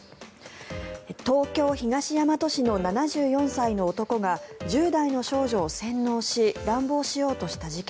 東京・東大和市の７４歳の男が１０代の少女を洗脳し乱暴しようとした事件。